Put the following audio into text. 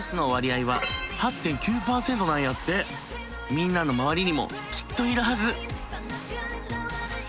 みんなの周りにもきっといるはず。